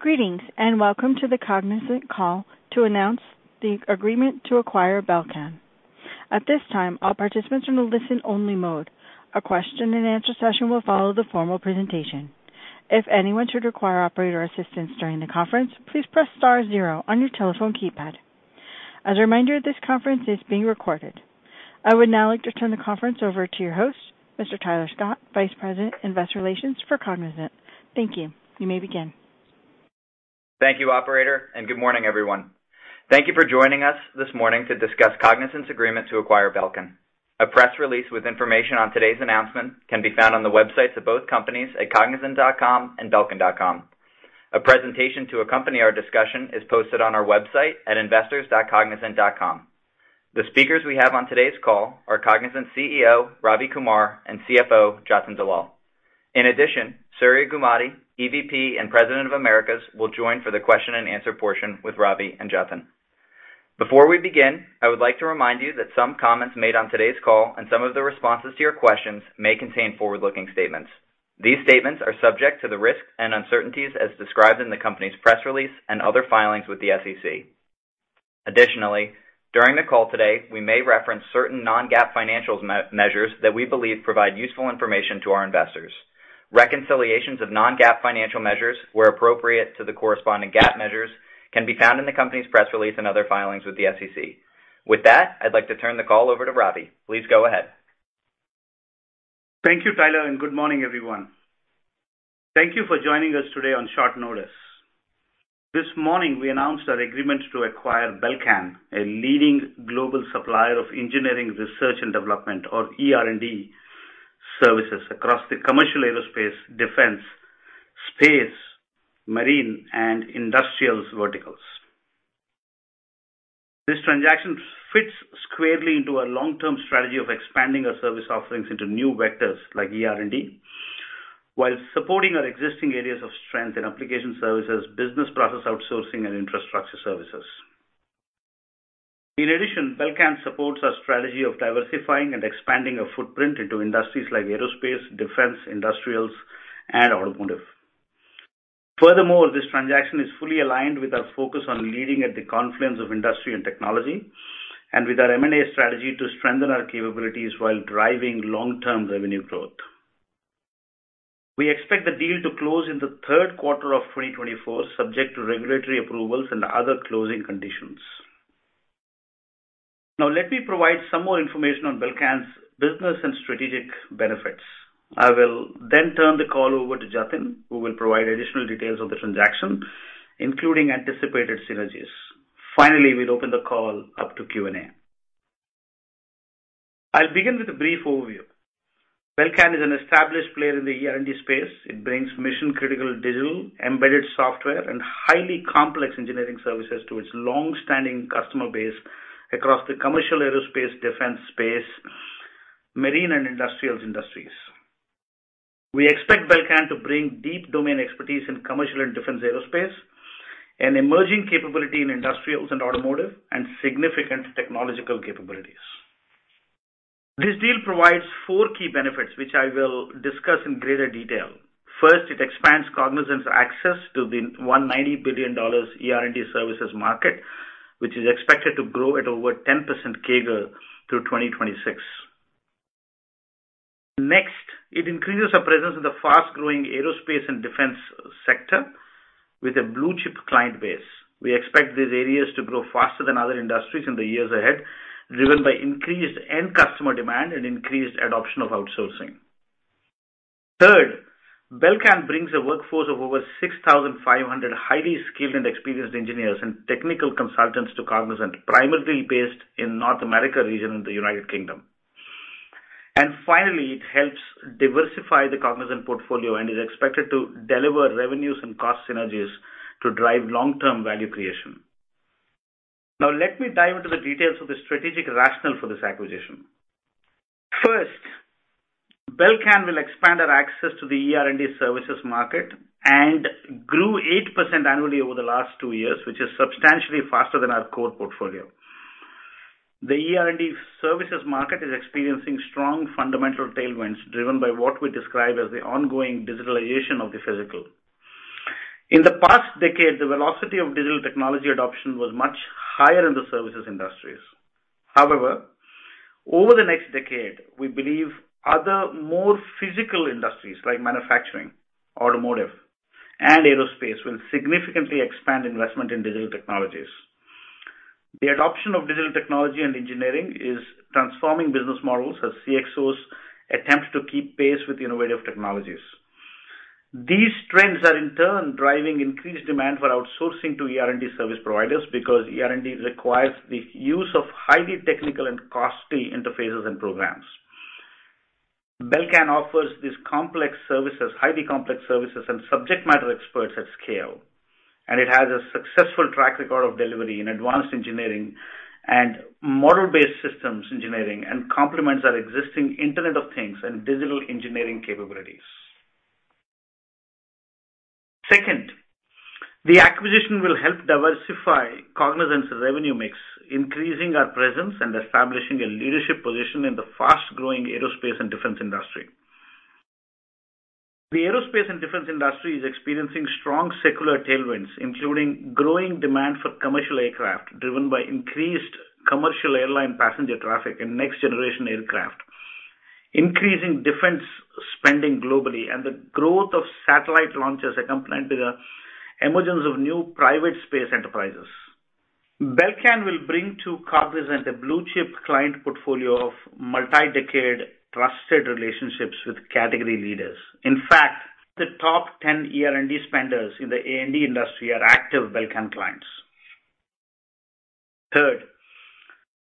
Greetings and welcome to the Cognizant Call to announce the agreement to acquire Belcan. At this time, all participants are in a listen-only mode. A Q&A session will follow the formal presentation. If anyone should require operator assistance during the conference, please press star zero on your telephone keypad. As a reminder, this conference is being recorded. I would now like to turn the conference over to your host, Mr. Tyler Scott, Vice President, Investor Relations for Cognizant. Thank you. You may begin. Thank you, Operator, and good morning, everyone. Thank you for joining us this morning to discuss Cognizant's agreement to acquire Belcan. A press release with information on today's announcement can be found on the websites of both companies at cognizant.com and belcan.com. A presentation to accompany our discussion is posted on our website at investors.cognizant.com. The speakers we have on today's call are Cognizant CEO, Ravi Kumar S, and CFO, Jatin Dalal. In addition, Surya Gummadi, EVP and President of Americas, will join for the Q&A portion with Ravi and Jatin. Before we begin, I would like to remind you that some comments made on today's call and some of the responses to your questions may contain forward-looking statements. These statements are subject to the risks and uncertainties as described in the company's press release and other filings with the SEC. Additionally, during the call today, we may reference certain non-GAAP Financial Measures that we believe provide useful information to our investors. Reconciliations of non-GAAP Financial Measures, where appropriate to the corresponding GAAP measures, can be found in the company's press release and other filings with the SEC. With that, I'd like to turn the call over to Ravi. Please go ahead. Thank you, Tyler, and good morning, everyone. Thank you for joining us today on short notice. This morning, we announced our agreement to acquire Belcan, a leading global supplier of engineering research and development, or ER&D, services across the commercial aerospace, defense, space, marine, and industrial verticals. This transaction fits squarely into our long-term strategy of expanding our service offerings into new vectors like ER&D while supporting our existing areas of strength in application services, business process outsourcing, and infrastructure services. In addition, Belcan supports our strategy of diversifying and expanding our footprint into industries like aerospace, defense, industrials, and automotive. Furthermore, this transaction is fully aligned with our focus on leading at the confluence of industry and technology and with our M&A strategy to strengthen our capabilities while driving long-term revenue growth. We expect the deal to close in the Q3 of 2024, subject to regulatory approvals and other closing conditions. Now, let me provide some more information on Belcan's business and strategic benefits. I will then turn the call over to Jatin, who will provide additional details on the transaction, including anticipated synergies. Finally, we'll open the call up to Q&A. I'll begin with a brief overview. Belcan is an established player in the ER&D space. It brings mission-critical digital embedded software and highly complex engineering services to its long-standing customer base across the commercial aerospace, defense, space, marine, and industrial industries. We expect Belcan to bring deep domain expertise in commercial and defense aerospace, an emerging capability in industrials and automotive, and significant technological capabilities. This deal provides four key benefits, which I will discuss in greater detail. First, it expands Cognizant's access to the $190 billion ER&D services market, which is expected to grow at over 10% CAGR through 2026. Next, it increases our presence in the fast-growing aerospace and defense sector with a blue-chip client base. We expect these areas to grow faster than other industries in the years ahead, driven by increased end-customer demand and increased adoption of outsourcing. Third, Belcan brings a workforce of over 6,500 highly skilled and experienced engineers and technical consultants to Cognizant, primarily based in North America and the United Kingdom. And finally, it helps diversify the Cognizant portfolio and is expected to deliver revenues and cost synergies to drive long-term value creation. Now, let me dive into the details of the strategic rationale for this acquisition. First, Belcan will expand our access to the ER&D services market and grew 8% annually over the last two years, which is substantially faster than our core portfolio. The ER&D services market is experiencing strong fundamental tailwinds driven by what we describe as the ongoing digitalization of the physical. In the past decade, the velocity of digital technology adoption was much higher in the services industries. However, over the next decade, we believe other more physical industries like manufacturing, automotive, and aerospace will significantly expand investment in digital technologies. The adoption of digital technology and engineering is transforming business models as CXOs attempt to keep pace with innovative technologies. These trends are, in turn, driving increased demand for outsourcing to ER&D service providers because ER&D requires the use of highly technical and costly interfaces and programs. Belcan offers these highly complex services and subject matter experts at scale, and it has a successful track record of delivery in advanced engineering and model-based systems engineering and complements our existing Internet of Things and digital engineering capabilities. Second, the acquisition will help diversify Cognizant's revenue mix, increasing our presence and establishing a leadership position in the fast-growing aerospace and defense industry. The aerospace and defense industry is experiencing strong secular tailwinds, including growing demand for commercial aircraft driven by increased commercial airline passenger traffic and next-generation aircraft, increasing defense spending globally, and the growth of satellite launchers accompanied by the emergence of new private space enterprises. Belcan will bring to Cognizant a blue-chip client portfolio of multi-decade trusted relationships with category leaders. In fact, the top 10 ER&D spenders in the A&D industry are active Belcan clients. Third,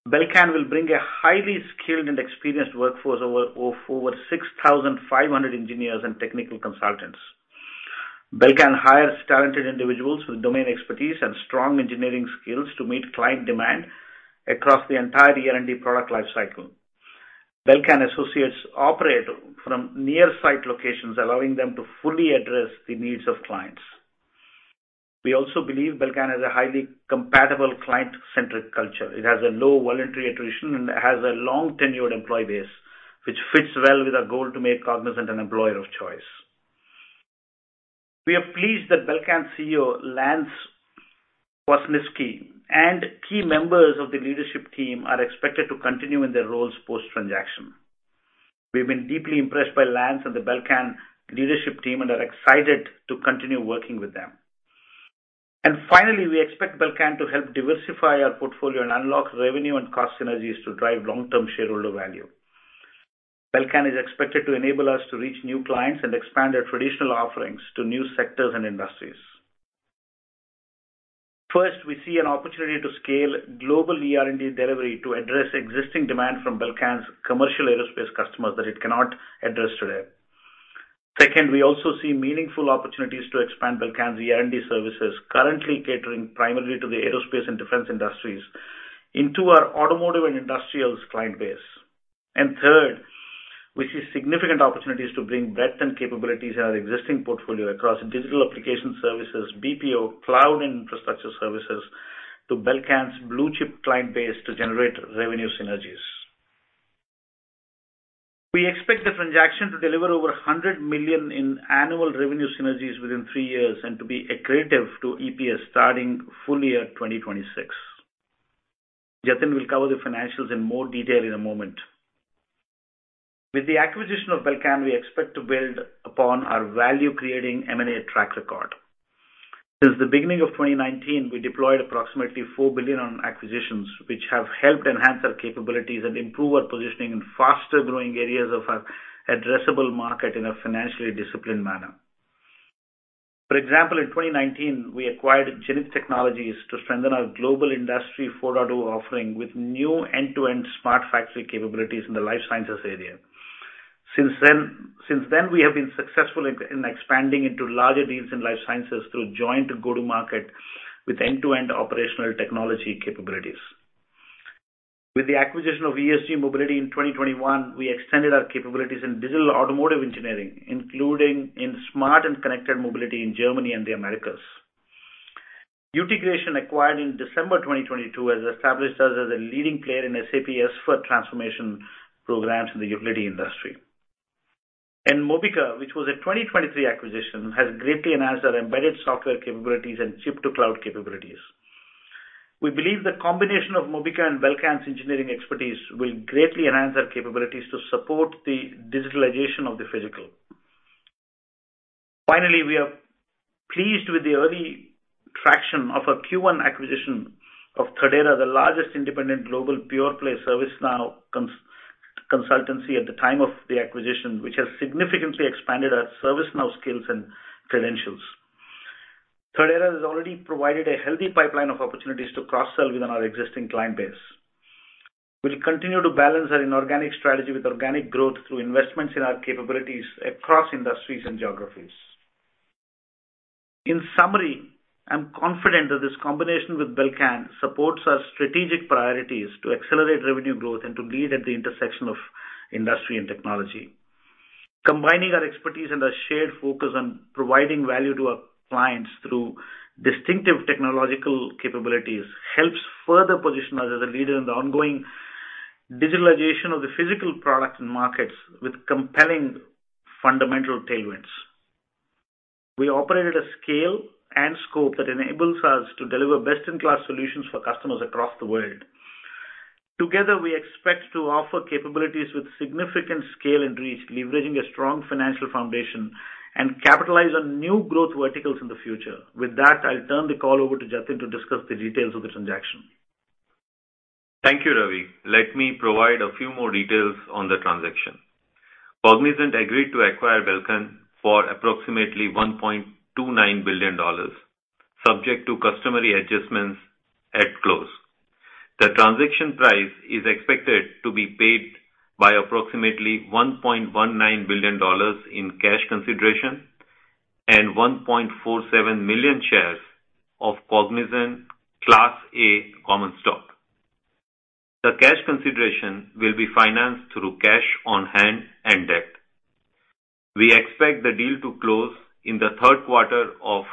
Belcan will bring a highly skilled and experienced workforce of over 6,500 engineers and technical consultants. Belcan hires talented individuals with domain expertise and strong engineering skills to meet client demand across the entire ER&D product lifecycle. Belcan associates operate from near-site locations, allowing them to fully address the needs of clients. We also believe Belcan has a highly compatible client-centric culture. It has a low voluntary attrition and has a long-tenured employee base, which fits well with our goal to make Cognizant an employer of choice. We are pleased that Belcan CEO Lance Kwasniewski and key members of the leadership team are expected to continue in their roles post-transaction. We've been deeply impressed by Lance and the Belcan leadership team and are excited to continue working with them. Finally, we expect Belcan to help diversify our portfolio and unlock revenue and cost synergies to drive long-term shareholder value. Belcan is expected to enable us to reach new clients and expand our traditional offerings to new sectors and industries. First, we see an opportunity to scale global ER&D delivery to address existing demand from Belcan's commercial aerospace customers that it cannot address today. Second, we also see meaningful opportunities to expand Belcan's ER&D services, currently catering primarily to the aerospace and defense industries, into our automotive and industrials client base. And third, we see significant opportunities to bring breadth and capabilities in our existing portfolio across digital application services, BPO, cloud, and infrastructure services to Belcan's blue-chip client base to generate revenue synergies. We expect the transaction to deliver over $100 million in annual revenue synergies within three years and to be accretive to EPS starting full year 2026. Jatin will cover the financials in more detail in a moment. With the acquisition of Belcan, we expect to build upon our value-creating M&A track record. Since the beginning of 2019, we deployed approximately $4 billion on acquisitions, which have helped enhance our capabilities and improve our positioning in faster-growing areas of our addressable market in a financially disciplined manner. For example, in 2019, we acquired Zenith Technologies to strengthen our global industry 4.0 offering with new end-to-end smart factory capabilities in the life sciences area. Since then, we have been successful in expanding into larger deals in life sciences through joint go-to-market with end-to-end operational technology capabilities. With the acquisition of ESG Mobility in 2021, we extended our capabilities in digital automotive engineering, including in smart and connected mobility in Germany and the Americas. Utegration, acquired in December 2022, has established us as a leading player in SAP S/4 transformation programs in the utility industry. Mobica, which was a 2023 acquisition, has greatly enhanced our embedded software capabilities and chip-to-cloud capabilities. We believe the combination of Mobica and Belcan's engineering expertise will greatly enhance our capabilities to support the digitalization of the physical. Finally, we are pleased with the early traction of our Q1 acquisition of Thirdera, the largest independent global pure-play ServiceNow consultancy at the time of the acquisition, which has significantly expanded our ServiceNow skills and credentials. Thirdera has already provided a healthy pipeline of opportunities to cross-sell within our existing client base. We'll continue to balance our inorganic strategy with organic growth through investments in our capabilities across industries and geographies. In summary, I'm confident that this combination with Belcan supports our strategic priorities to accelerate revenue growth and to lead at the intersection of industry and technology. Combining our expertise and our shared focus on providing value to our clients through distinctive technological capabilities helps further position us as a leader in the ongoing digitalization of the physical product and markets with compelling fundamental tailwinds. We operate at a scale and scope that enables us to deliver best-in-class solutions for customers across the world. Together, we expect to offer capabilities with significant scale and reach, leveraging a strong financial foundation, and capitalize on new growth verticals in the future. With that, I'll turn the call over to Jatin to discuss the details of the transaction. Thank you, Ravi. Let me provide a few more details on the transaction. Cognizant agreed to acquire Belcan for approximately $1.29 billion, subject to customary adjustments at close. The transaction price is expected to be paid by approximately $1.19 billion in cash consideration and 1.47 million shares of Cognizant Class A Common Stock. The cash consideration will be financed through cash on hand and debt. We expect the deal to close in the Q3 of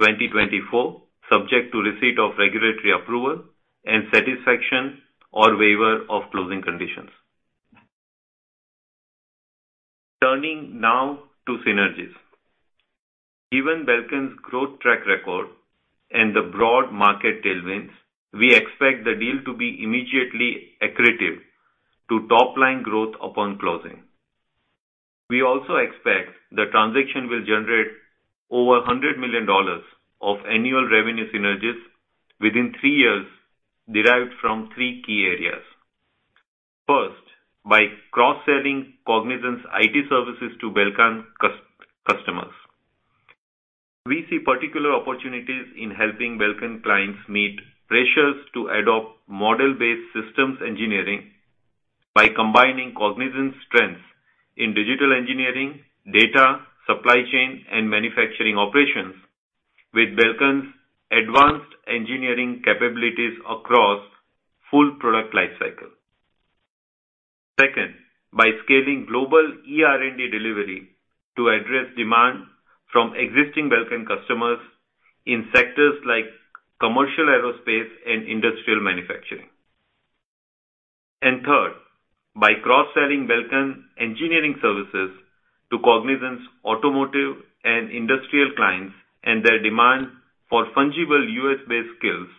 2024, subject to receipt of regulatory approval and satisfaction or waiver of closing conditions. Turning now to synergies. Given Belcan's growth track record and the broad market tailwinds, we expect the deal to be immediately accretive to top-line growth upon closing. We also expect the transaction will generate over $100 million of annual revenue synergies within three years derived from three key areas. First, by cross-selling Cognizant's IT services to Belcan customers. We see particular opportunities in helping Belcan clients meet pressures to adopt model-based systems engineering by combining Cognizant's strengths in digital engineering, data, supply chain, and manufacturing operations with Belcan's advanced engineering capabilities across full product lifecycle. Second, by scaling global ER&D delivery to address demand from existing Belcan customers in sectors like commercial aerospace and industrial manufacturing. And third, by cross-selling Belcan engineering services to Cognizant's automotive and industrial clients and their demand for fungible U.S. based skills,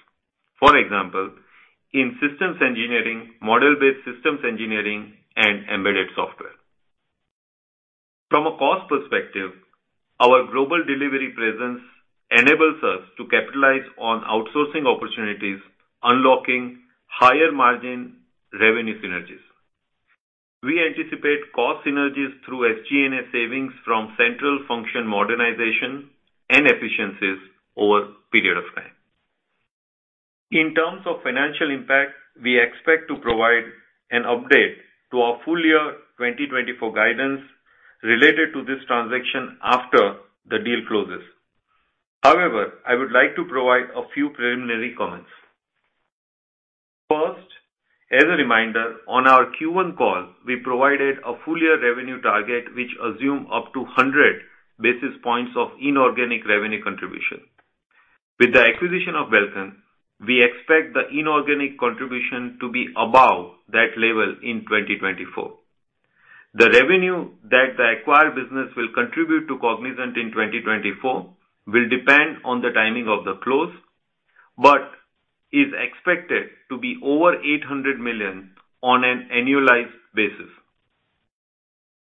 for example, in systems engineering, model-based systems engineering, and embedded software. From a cost perspective, our global delivery presence enables us to capitalize on outsourcing opportunities, unlocking higher-margin revenue synergies. We anticipate cost synergies through SG&A savings from central function modernization and efficiencies over a period of time. In terms of financial impact, we expect to provide an update to our full year 2024 guidance related to this transaction after the deal closes. However, I would like to provide a few preliminary comments. First, as a reminder, on our Q1 call, we provided a full year revenue target which assumed up to 100 basis points of inorganic revenue contribution. With the acquisition of Belcan, we expect the inorganic contribution to be above that level in 2024. The revenue that the acquired business will contribute to Cognizant in 2024 will depend on the timing of the close, but is expected to be over $800 million on an annualized basis.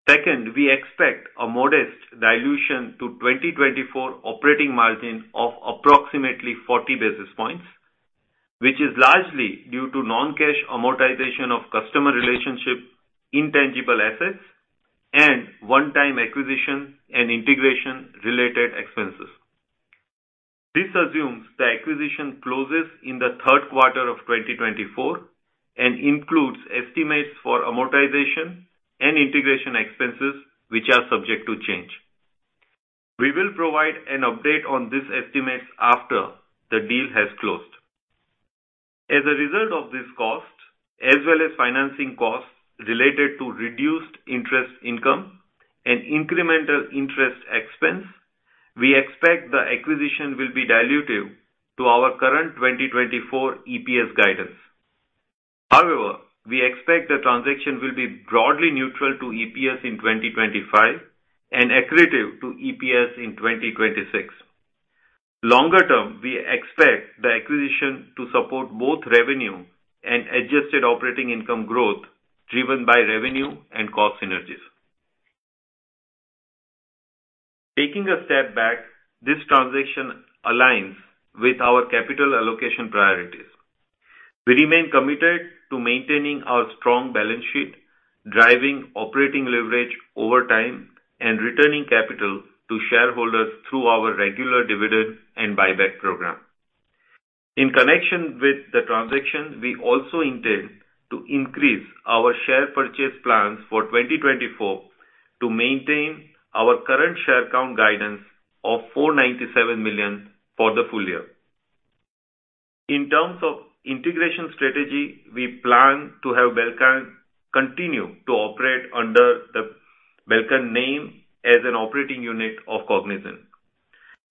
Second, we expect a modest dilution to 2024 operating margin of approximately 40 basis points, which is largely due to non-cash amortization of customer relationship intangible assets, and one-time acquisition and integration-related expenses. This assumes the acquisition closes in the Q3 of 2024 and includes estimates for amortization and integration expenses, which are subject to change. We will provide an update on these estimates after the deal has closed. As a result of this cost, as well as financing costs related to reduced interest income and incremental interest expense, we expect the acquisition will be dilutive to our current 2024 EPS guidance. However, we expect the transaction will be broadly neutral to EPS in 2025 and accretive to EPS in 2026. Longer term, we expect the acquisition to support both revenue and adjusted operating income growth driven by revenue and cost synergies. Taking a step back, this transaction aligns with our capital allocation priorities. We remain committed to maintaining our strong balance sheet, driving operating leverage over time, and returning capital to shareholders through our regular dividend and buyback program. In connection with the transaction, we also intend to increase our share purchase plans for 2024 to maintain our current share count guidance of 497 million for the full year. In terms of integration strategy, we plan to have Belcan continue to operate under the Belcan name as an operating unit of Cognizant.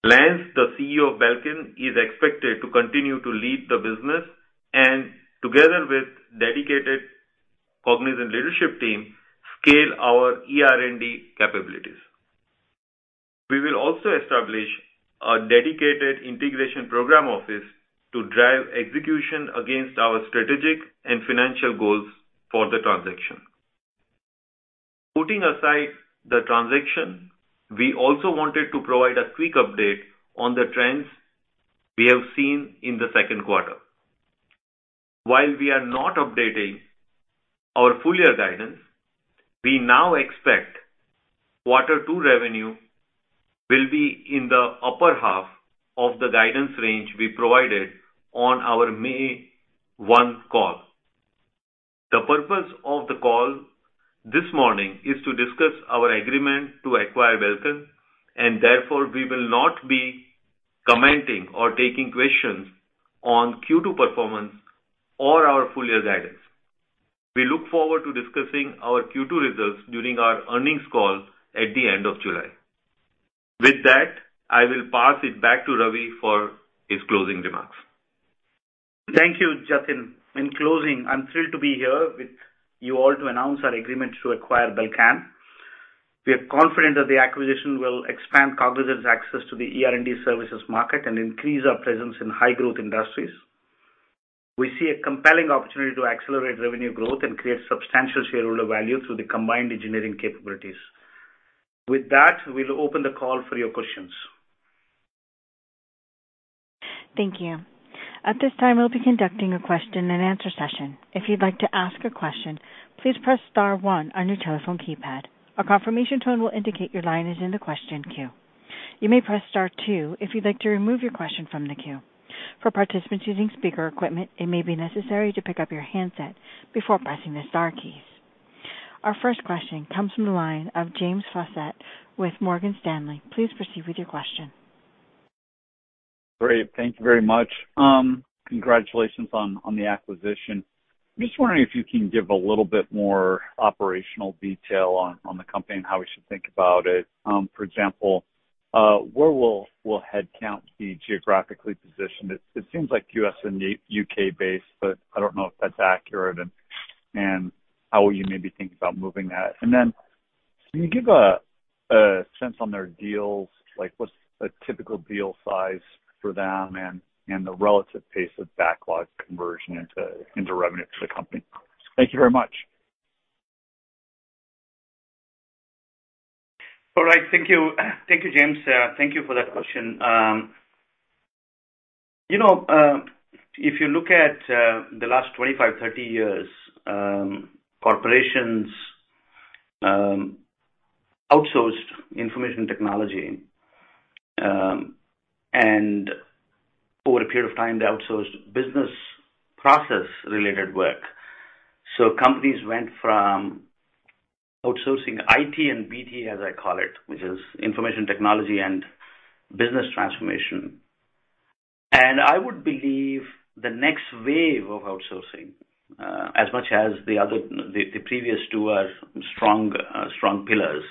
Lance, the CEO of Belcan, is expected to continue to lead the business and, together with the dedicated Cognizant leadership team, scale our ER&D capabilities. We will also establish a dedicated integration program office to drive execution against our strategic and financial goals for the transaction. Putting aside the transaction, we also wanted to provide a quick update on the trends we have seen in the Q2. While we are not updating our full year guidance, we now expect quarter two revenue will be in the upper half of the guidance range we provided on our May 1 call. The purpose of the call this morning is to discuss our agreement to acquire Belcan, and therefore we will not be commenting or taking questions on Q2 performance or our full year guidance. We look forward to discussing our Q2 results during our earnings call at the end of July. With that, I will pass it back to Ravi for his closing remarks. Thank you, Jatin. In closing, I'm thrilled to be here with you all to announce our agreement to acquire Belcan. We are confident that the acquisition will expand Cognizant's access to the ER&D services market and increase our presence in high-growth industries. We see a compelling opportunity to accelerate revenue growth and create substantial shareholder value through the combined engineering capabilities. With that, we'll open the call for your questions. Thank you. At this time, we'll be conducting a Q&A session. If you'd like to ask a question, please press star one on your telephone keypad. A confirmation tone will indicate your line is in the question queue. You may press star two if you'd like to remove your question from the queue. For participants using speaker equipment, it may be necessary to pick up your handset before pressing the star keys. Our first question comes from the line of James Faucette with Morgan Stanley. Please proceed with your question. Great. Thank you very much. Congratulations on the acquisition. Just wondering if you can give a little bit more operational detail on the company and how we should think about it. For example, where will headcount be geographically positioned? It seems like U.S. and U.K.-based, but I don't know if that's accurate, and how will you maybe think about moving that? And then can you give a sense on their deals? What's a typical deal size for them and the relative pace of backlog conversion into revenue for the company? Thank you very much. All right. Thank you, James. Thank you for that question. If you look at the last 25 to 30 years, corporations outsourced information technology, and over a period of time, they outsourced business process-related work. So companies went from outsourcing I.T and B.T, as I call it, which is information technology and business transformation. And I would believe the next wave of outsourcing, as much as the previous two are strong pillars,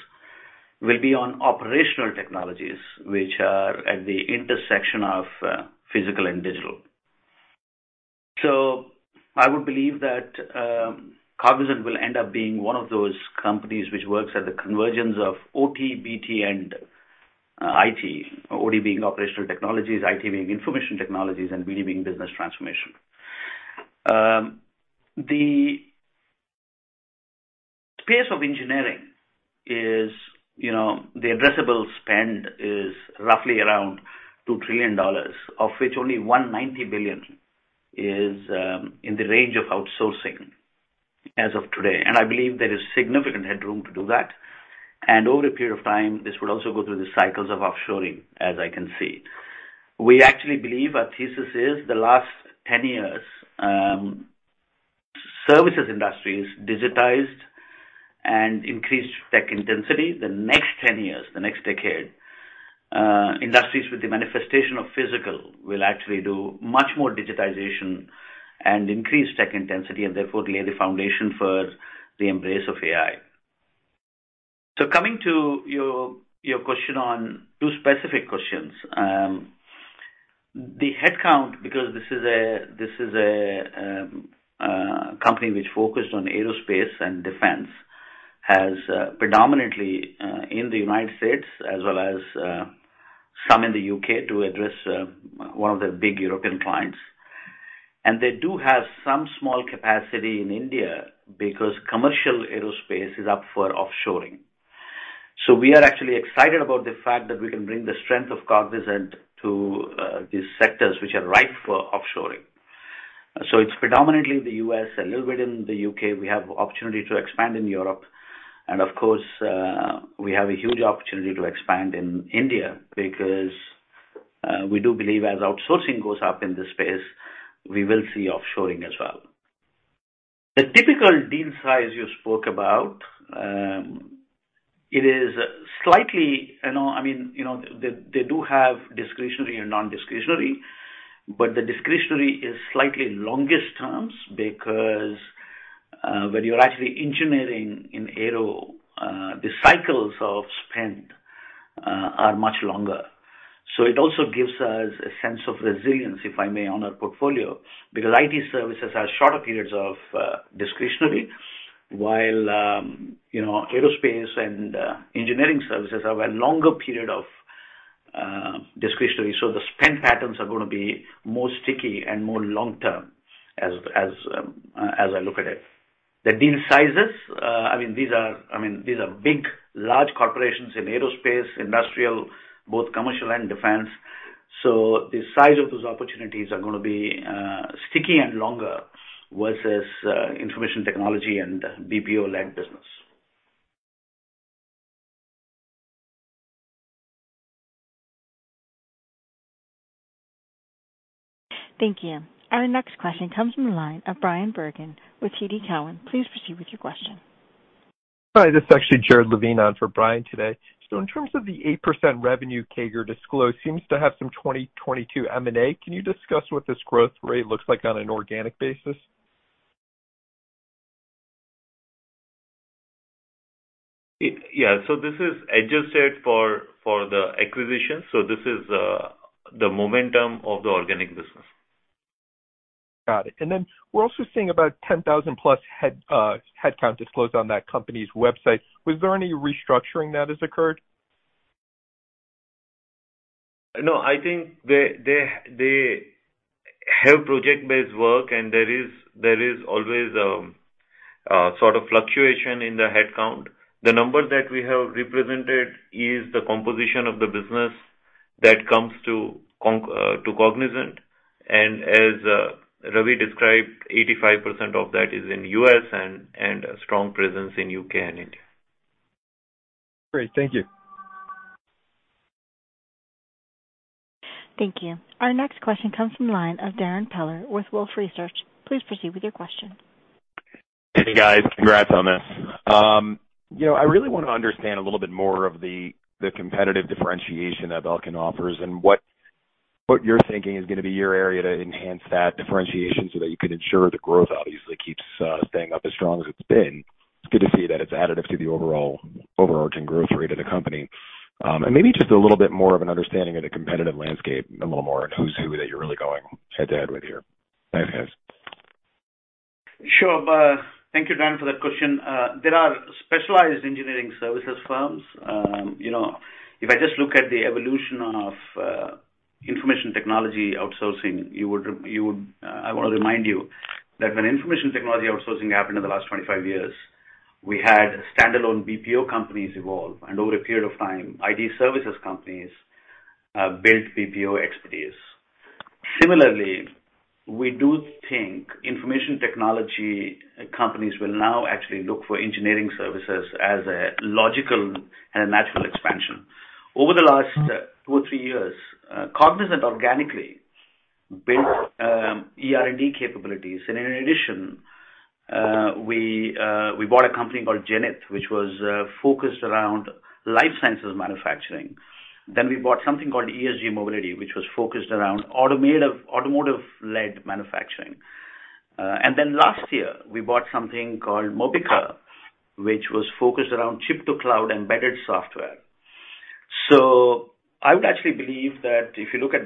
will be on operational technologies, which are at the intersection of physical and digital. So I would believe that Cognizant will end up being one of those companies which works at the convergence of O.T, B.T, and I.T, O.T being operational technologies, I.T being information technologies, and B.T being business transformation. The space of engineering, the addressable spend, is roughly around $2 trillion, of which only $190 billion is in the range of outsourcing as of today. I believe there is significant headroom to do that. Over a period of time, this would also go through the cycles of offshoring, as I can see. We actually believe our thesis is the last 10 years, services industries digitized and increased tech intensity. The next 10 years, the next decade, industries with the manifestation of physical will actually do much more digitization and increase tech intensity and therefore lay the foundation for the embrace of AI. Coming to your question on two specific questions, the headcount, because this is a company which focused on aerospace and defense, has predominantly in the United States as well as some in the U.K. to address one of their big European clients. They do have some small capacity in India because commercial aerospace is up for offshoring. So we are actually excited about the fact that we can bring the strength of Cognizant to these sectors which are ripe for offshoring. So it's predominantly the U.S., a little bit in the U.K. We have opportunity to expand in Europe. And of course, we have a huge opportunity to expand in India because we do believe as outsourcing goes up in this space, we will see offshoring as well. The typical deal size you spoke about, it is slightly, I mean, they do have discretionary and non-discretionary, but the discretionary is slightly longest terms because when you're actually engineering in aero, the cycles of spend are much longer. So it also gives us a sense of resilience, if I may, on our portfolio because IT services are shorter periods of discretionary, while aerospace and engineering services are a longer period of discretionary. So the spend patterns are going to be more sticky and more long-term as I look at it. The deal sizes, I mean, these are big, large corporations in aerospace, industrial, both commercial and defense. So the size of those opportunities are going to be sticky and longer versus information technology and BPO-led business. Thank you. Our next question comes from the line of Brian Bergin with TD Cowen. Please proceed with your question. Hi. This is actually Jared Levine on for Brian today. In terms of the 8% revenue CAGR disclosed, seems to have some 2022 M&A. Can you discuss what this growth rate looks like on an organic basis? Yeah. So this is adjusted for the acquisition. So this is the momentum of the organic business. Got it. And then we're also seeing about 10,000+ headcount disclosed on that company's website. Was there any restructuring that has occurred? No. I think they have project-based work, and there is always a sort of fluctuation in the headcount. The number that we have represented is the composition of the business that comes to Cognizant. As Ravi described, 85% of that is in U.S. and a strong presence in U.K. and India. Great. Thank you. Thank you. Our next question comes from the line of Darrin Peller with Wolfe Research. Please proceed with your question. Hey, guys. Congrats on this. I really want to understand a little bit more of the competitive differentiation that Belcan offers and what you're thinking is going to be your area to enhance that differentiation so that you can ensure the growth obviously keeps staying up as strong as it's been. It's good to see that it's additive to the overarching growth rate of the company. And maybe just a little bit more of an understanding of the competitive landscape and a little more on who's who that you're really going head-to-head with here. Thanks, guys. Sure. Thank you, Dan, for that question. There are specialized engineering services firms. If I just look at the evolution of information technology outsourcing, I want to remind you that when information technology outsourcing happened in the last 25 years, we had standalone BPO companies evolve, and over a period of time, IT services companies built BPO expertise. Similarly, we do think information technology companies will now actually look for engineering services as a logical and a natural expansion. Over the last two or three years, Cognizant organically built ER&D capabilities. And in addition, we bought a company called Genith, which was focused around life sciences manufacturing. Then we bought something called ESG Mobility, which was focused around automotive-led manufacturing. And then last year, we bought something called Mobica, which was focused around chip-to-cloud embedded software. So I would actually believe that if you look at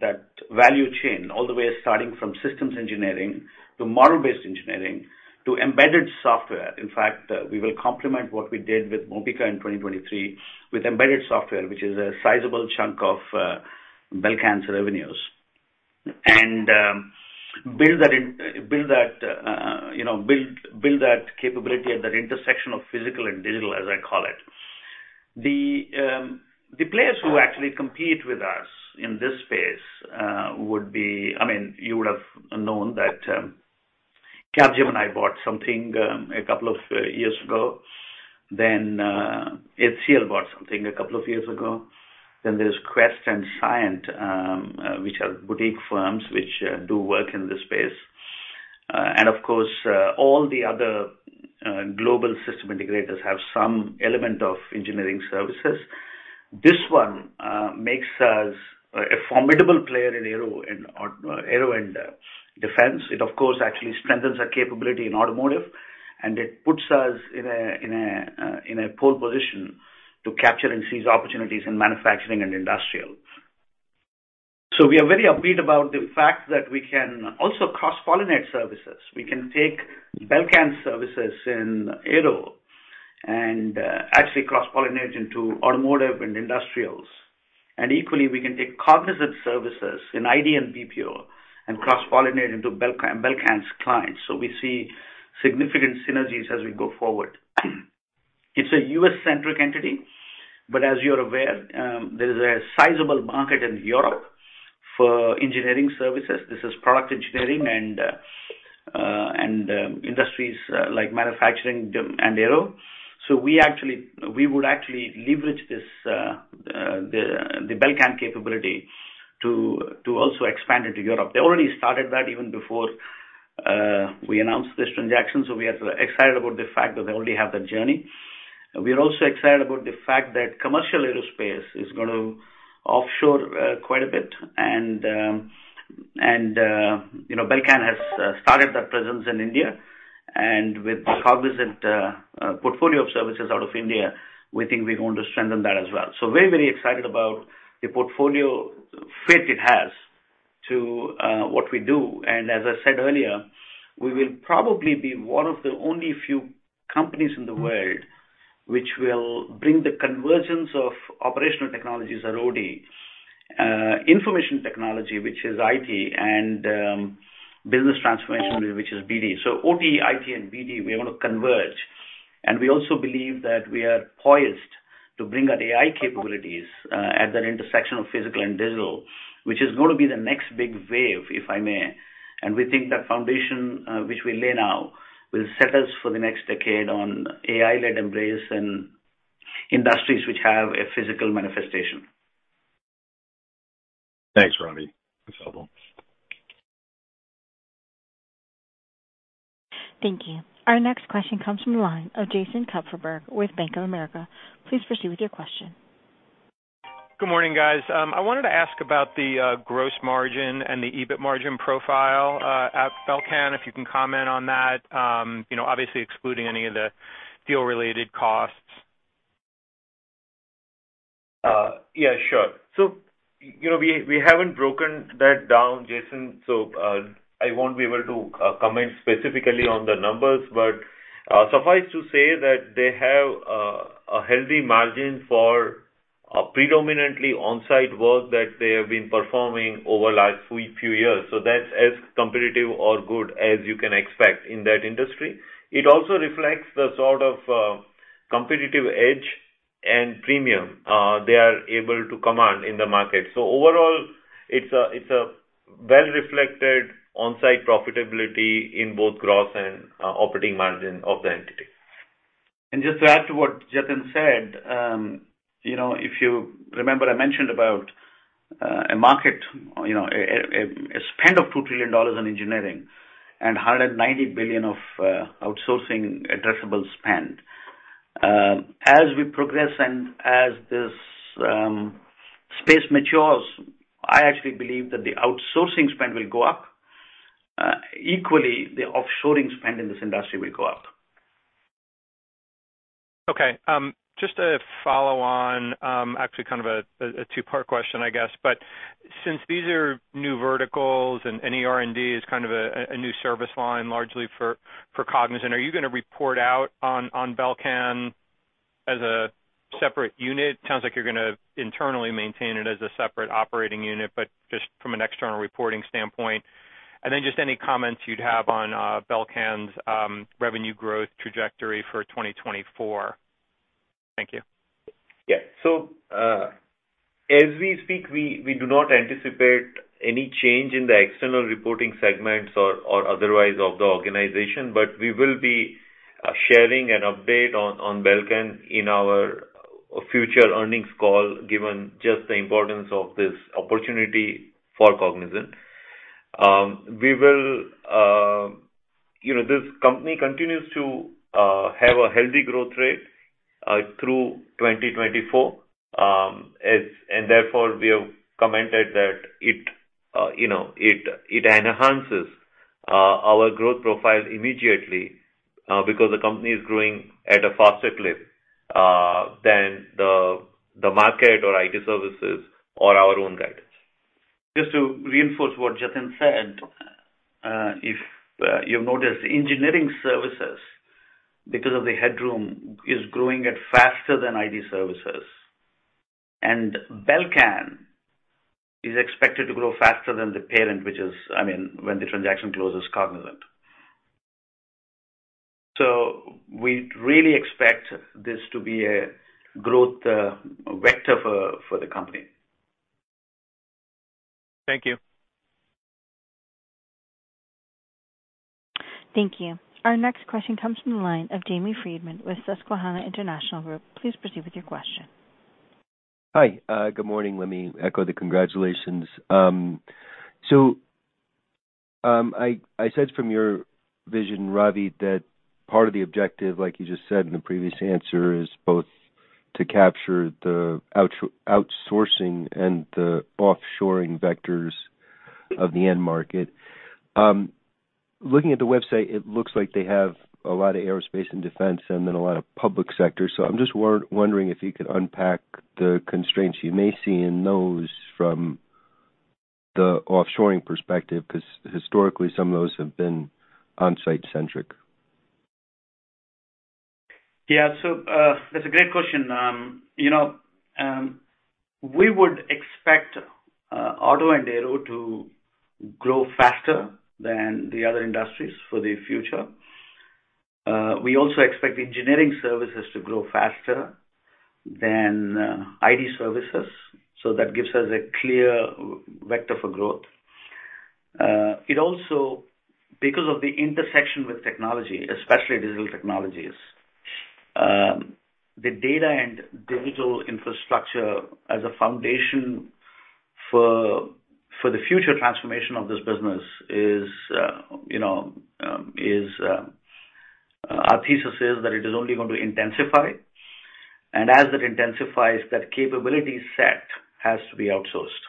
that value chain, all the way starting from systems engineering to model-based engineering to embedded software, in fact, we will complement what we did with Mobica in 2023 with embedded software, which is a sizable chunk of Belcan's revenues, and build that capability at that intersection of physical and digital, as I call it. The players who actually compete with us in this space would be, I mean, you would have known that Capgemini bought something a couple of years ago. Then HCL bought something a couple of years ago. Then there is Quest and Cyient, which are boutique firms which do work in this space. And of course, all the other global system integrators have some element of engineering services. This one makes us a formidable player in aero and defense. It, of course, actually strengthens our capability in automotive, and it puts us in a pole position to capture and seize opportunities in manufacturing and industrial. So we are very upbeat about the fact that we can also cross-pollinate services. We can take Belcan's services in aero and actually cross-pollinate into automotive and industrials. And equally, we can take Cognizant's services in IT and BPO and cross-pollinate into Belcan's clients. So we see significant synergies as we go forward. It's a U.S. centric entity, but as you're aware, there is a sizable market in Europe for engineering services. This is product engineering and industries like manufacturing and aero. So we would actually leverage the Belcan capability to also expand into Europe. They already started that even before we announced this transaction. So we are excited about the fact that they already have that journey. We are also excited about the fact that commercial aerospace is going to offshore quite a bit. Belcan has started that presence in India. With the Cognizant portfolio of services out of India, we think we're going to strengthen that as well. So very, very excited about the portfolio fit it has to what we do. As I said earlier, we will probably be one of the only few companies in the world which will bring the convergence of operational technologies, OT, information technology, which is I.T, and business transformation, which is B.T. So O.T, I.T, and B.T, we are going to converge. We also believe that we are poised to bring our AI capabilities at that intersection of physical and digital, which is going to be the next big wave, if I may. We think that foundation which we lay now will set us for the next decade on AI-led embrace and industries which have a physical manifestation. Thanks, Ravi. That's helpful. Thank you. Our next question comes from the line of Jason Kupferberg with Bank of America. Please proceed with your question. Good morning, guys. I wanted to ask about the gross margin and the EBIT margin profile at Belcan, if you can comment on that, obviously excluding any of the deal-related costs. Yeah, sure. So we haven't broken that down, Jason. So I won't be able to comment specifically on the numbers, but suffice to say that they have a healthy margin for predominantly on-site work that they have been performing over the last few years. So that's as competitive or good as you can expect in that industry. It also reflects the sort of competitive edge and premium they are able to command in the market. So overall, it's a well-reflected on-site profitability in both gross and operating margin of the entity. And just to add to what Jatin said, if you remember, I mentioned about a market, a spend of $2 trillion on engineering and $190 billion of outsourcing addressable spend. As we progress and as this space matures, I actually believe that the outsourcing spend will go up. Equally, the offshoring spend in this industry will go up. Okay. Just to follow on, actually kind of a two-part question, I guess. But since these are new verticals and ER&D is kind of a new service line largely for Cognizant, are you going to report out on Belcan as a separate unit? It sounds like you're going to internally maintain it as a separate operating unit, but just from an external reporting standpoint. And then just any comments you'd have on Belcan's revenue growth trajectory for 2024. Thank you. Yeah. So as we speak, we do not anticipate any change in the external reporting segments or otherwise of the organization, but we will be sharing an update on Belcan in our future earnings call given just the importance of this opportunity for Cognizant. This company continues to have a healthy growth rate through 2024. And therefore, we have commented that it enhances our growth profile immediately because the company is growing at a faster clip than the market or IT services or our own guidance. Just to reinforce what Jatin said, if you've noticed, engineering services, because of the headroom, is growing at faster than IT services. And Belcan is expected to grow faster than the parent, which is, I mean, when the transaction closes, Cognizant. So we really expect this to be a growth vector for the company. Thank you. Thank you. Our next question comes from the line of Jamie Friedman with Susquehanna International Group. Please proceed with your question. Hi. Good morning. Let me echo the congratulations. So I said from your vision, Ravi, that part of the objective, like you just said in the previous answer, is both to capture the outsourcing and the offshoring vectors of the end market. Looking at the website, it looks like they have a lot of aerospace and defense and then a lot of public sector. So I'm just wondering if you could unpack the constraints you may see in those from the offshoring perspective because historically, some of those have been on-site-centric. Yeah. So that's a great question. We would expect auto and aero to grow faster than the other industries for the future. We also expect engineering services to grow faster than IT services. So that gives us a clear vector for growth. It also, because of the intersection with technology, especially digital technologies, the data and digital infrastructure as a foundation for the future transformation of this business is our thesis is that it is only going to intensify. And as that intensifies, that capability set has to be outsourced.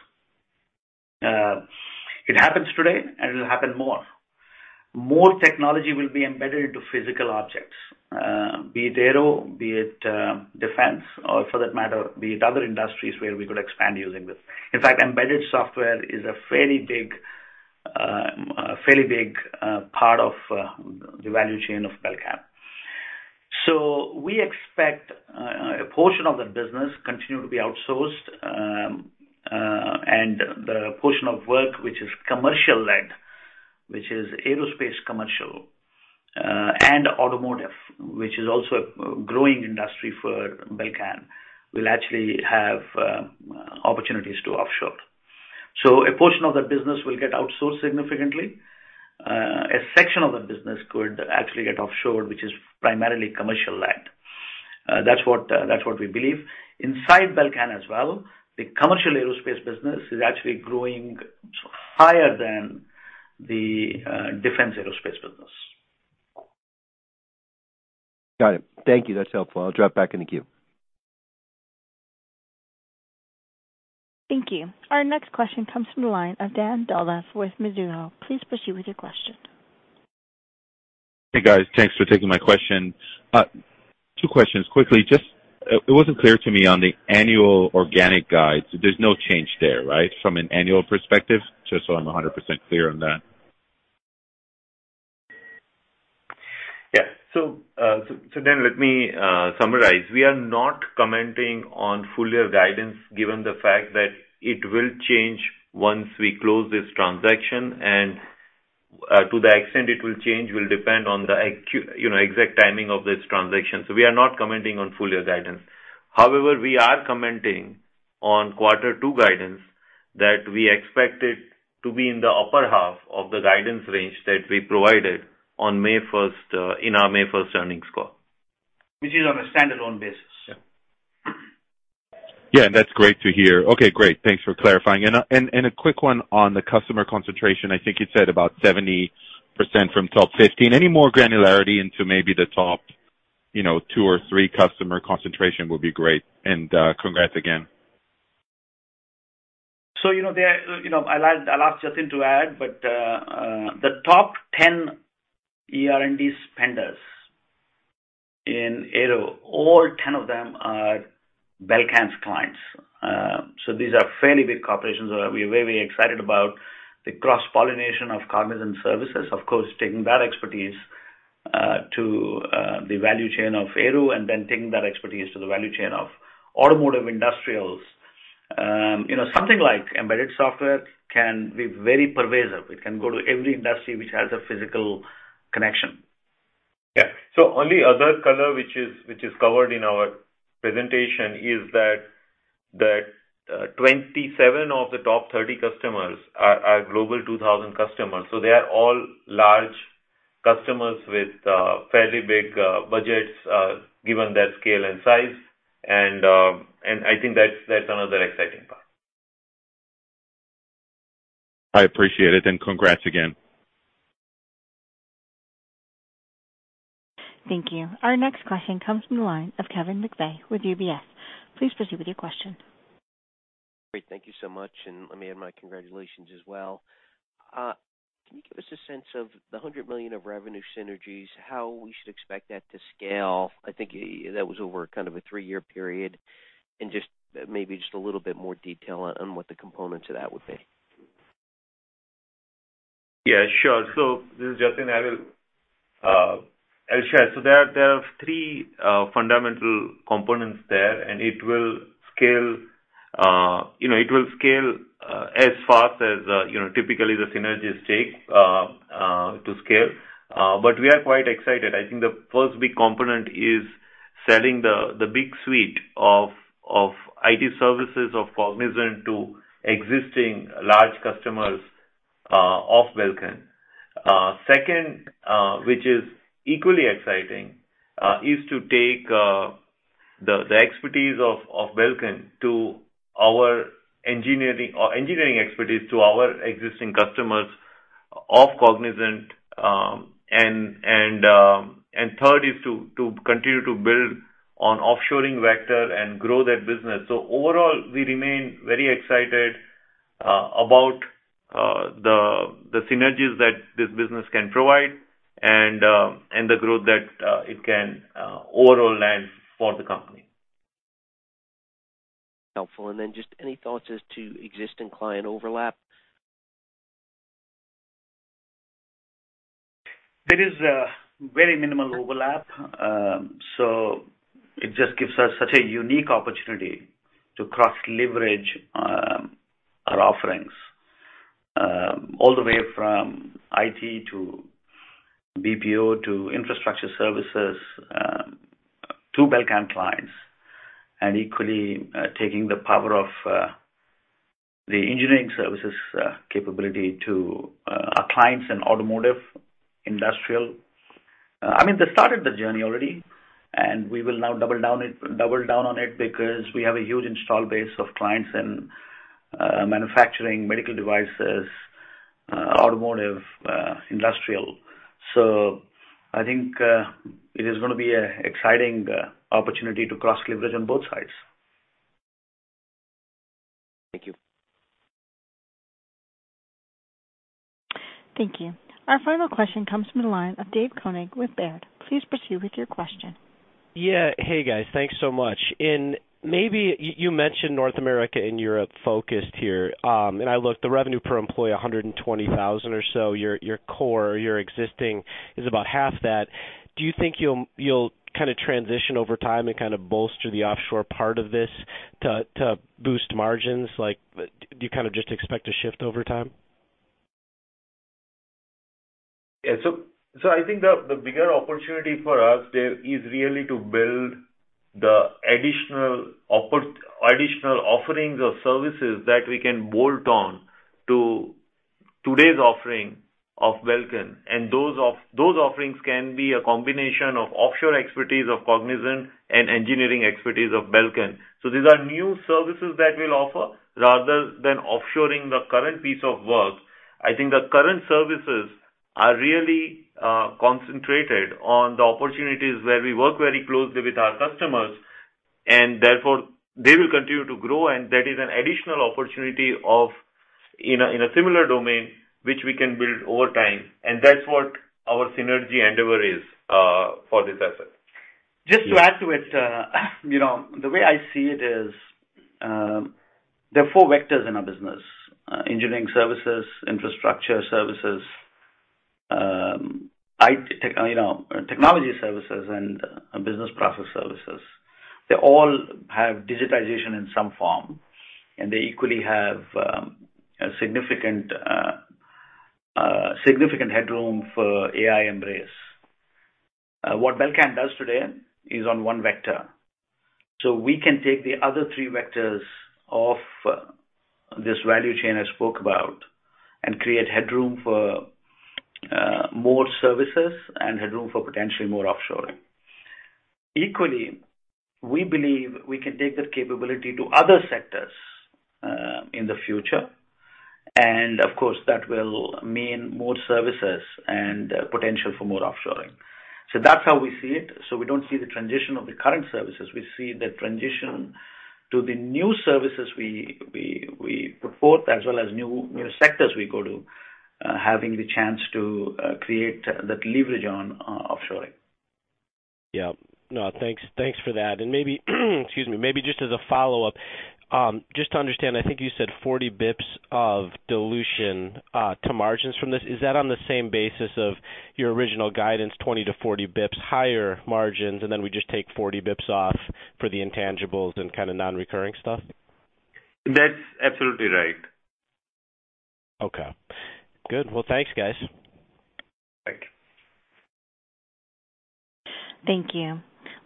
It happens today, and it'll happen more. More technology will be embedded into physical objects, be it aero, be it defense, or for that matter, be it other industries where we could expand using this. In fact, embedded software is a fairly big part of the value chain of Belcan. So we expect a portion of that business continues to be outsourced. And the portion of work which is commercial-led, which is aerospace commercial, and automotive, which is also a growing industry for Belcan, will actually have opportunities to offshore. So a portion of that business will get outsourced significantly. A section of that business could actually get offshored, which is primarily commercial-led. That's what we believe. Inside Belcan as well, the commercial aerospace business is actually growing higher than the defense aerospace business. Got it. Thank you. That's helpful. I'll drop back in the queue. Thank you. Our next question comes from the line of Dan Dolev with Mizuho. Please proceed with your question. Hey, guys. Thanks for taking my question. Two questions quickly. It wasn't clear to me on the annual organic guides. There's no change there, right, from an annual perspective? Just so I'm 100% clear on that. Yeah. So then, let me summarize. We are not commenting on full-year guidance given the fact that it will change once we close this transaction. And to the extent it will change will depend on the exact timing of this transaction. So we are not commenting on full-year guidance. However, we are commenting on quarter two guidance that we expect it to be in the upper half of the guidance range that we provided on May 1st in our May 1st earnings call, which is on a standalone basis. Yeah. Yeah. That's great to hear. Okay. Great. Thanks for clarifying. And a quick one on the customer concentration. I think you said about 70% from top 15. Any more granularity into maybe the top two or three customer concentration would be great. And congrats again. So I'll ask Jason to add, but the top 10 ER&D spenders in aero, all 10 of them are Belcan's clients. So these are fairly big corporations that we are very, very excited about the cross-pollination of Cognizant services, of course, taking that expertise to the value chain of aero and then taking that expertise to the value chain of automotive industrials. Something like embedded software can be very pervasive. It can go to every industry which has a physical connection. Yeah. So only other color which is covered in our presentation is that 27 of the top 30 customers are global 2,000 customers. So they are all large customers with fairly big budgets given their scale and size. And I think that's another exciting part. I appreciate it. Congrats again. Thank you. Our next question comes from the line of Kevin McVeigh with UBS. Please proceed with your question. Great. Thank you so much. Let me add my congratulations as well. Can you give us a sense of the $100 million of revenue synergies, how we should expect that to scale? I think that was over kind of a three-year period. And maybe just a little bit more detail on what the components of that would be. Yeah. Sure. So this is Jason. I will share. So there are three fundamental components there, and it will scale as fast as typically the synergies take to scale. But we are quite excited. I think the first big component is selling the big suite of IT services of Cognizant to existing large customers of Belcan. Second, which is equally exciting, is to take the expertise of Belcan to our engineering expertise to our existing customers of Cognizant. And third is to continue to build on offshoring vector and grow that business. So overall, we remain very excited about the synergies that this business can provide and the growth that it can overall land for the company. Helpful. And then just any thoughts as to existing client overlap? There is very minimal overlap. So it just gives us such a unique opportunity to cross-leverage our offerings all the way from IT to BPO to infrastructure services to Belcan clients and equally taking the power of the engineering services capability to our clients in automotive industrial. I mean, they started the journey already, and we will now double down on it because we have a huge install base of clients in manufacturing, medical devices, automotive, industrial. So I think it is going to be an exciting opportunity to cross-leverage on both sides. Thank you. Thank you. Our final question comes from the line of Dave Koning with Baird. Please proceed with your question. Yeah. Hey, guys. Thanks so much. Maybe you mentioned North America and Europe focused here. I looked at the revenue per employee, $120,000 or so. Your core, your existing, is about half that. Do you think you'll kind of transition over time and kind of bolster the offshore part of this to boost margins? Do you kind of just expect a shift over time? Yeah. So I think the bigger opportunity for us there is really to build the additional offerings of services that we can bolt on to today's offering of Belcan. And those offerings can be a combination of offshore expertise of Cognizant and engineering expertise of Belcan. So these are new services that we'll offer rather than offshoring the current piece of work. I think the current services are really concentrated on the opportunities where we work very closely with our customers. And therefore, they will continue to grow. And that is an additional opportunity in a similar domain which we can build over time. And that's what our synergy endeavor is for this asset. Just to add to it, the way I see it is there are four vectors in our business: engineering services, infrastructure services, technology services, and business process services. They all have digitization in some form, and they equally have significant headroom for AI embrace. What Belcan does today is on one vector. So we can take the other three vectors of this value chain I spoke about and create headroom for more services and headroom for potentially more offshoring. Equally, we believe we can take that capability to other sectors in the future. And of course, that will mean more services and potential for more offshoring. So that's how we see it. So we don't see the transition of the current services. We see the transition to the new services we put forth as well as new sectors we go to, having the chance to create that leverage on offshoring. Yeah. No, thanks for that. And excuse me, maybe just as a follow-up, just to understand, I think you said 40 bps of dilution to margins from this. Is that on the same basis of your original guidance, 20 to 40 bps, higher margins, and then we just take 40 bps off for the intangibles and kind of non-recurring stuff? That's absolutely right. Okay. Good. Well, thanks, guys. Thanks. Thank you.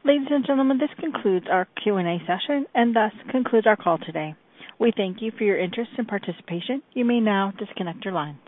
Ladies and gentlemen, this concludes our Q&A session, and thus concludes our call today. We thank you for your interest and participation. You may now disconnect your lines.